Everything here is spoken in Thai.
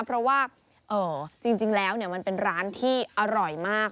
เพราะว่าจริงแล้วมันเป็นร้านที่อร่อยมาก